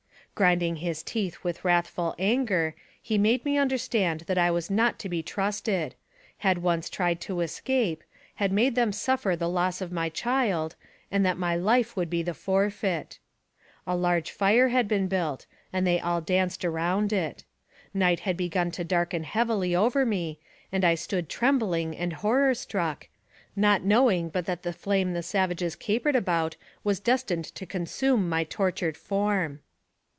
Grinding his teeth with wrathful anger, he made me understand that I was not to be trusted; had once tried to escape ; had made them suffer the loss of my child, and that my life would be the forfeit. A large fire had been built, and they all danced around it. Night had begun to darken heavily over me, and I stood trembling and horror struck, not knowing but that the flame the savages capered about was destined to consume my tortured form.